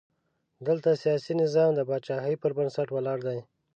دلته سیاسي نظام د پاچاهۍ پر بنسټ ولاړ دی.